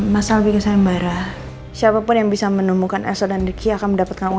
masa lebih ke sayembara siapapun yang bisa menemukan elsa dan ricky akan mendapatkan uang lima ratus juta